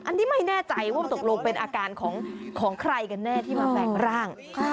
อันนี้ไม่แน่ใจว่าตกลงเป็นอาการของใครกันแน่ที่มาแฝงร่าง